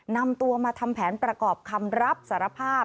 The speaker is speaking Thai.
นำตัวมาทำแผนประกอบคำรับสารภาพ